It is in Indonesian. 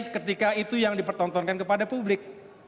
ketika itu yang dipertontonkan kepada publik